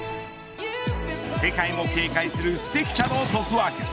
世界も警戒する関田のトスワーク。